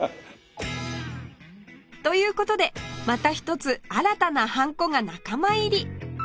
という事でまた一つ新たなハンコが仲間入り